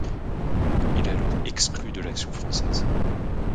Il est alors exclu de l'Action française.